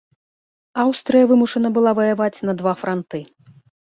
Аўстрыя вымушана была ваяваць на два франты.